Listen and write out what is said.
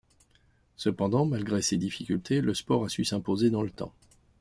Cependant, malgré ces difficultés, le sport a su s'imposer dans le temps.